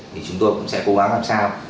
thì chúng tôi cũng sẽ cố gắng làm sao